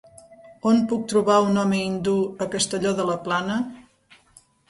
On puc trobar un home hindú a Castelló de la Plana?